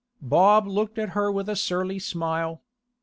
Bob looked at her with a surly smile.